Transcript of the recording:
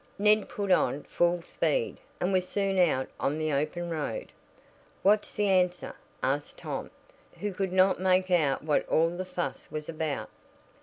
Ned put on full speed, and was soon out on the open road. "What's the answer?" asked Tom, who could not make out what all the fuss was about.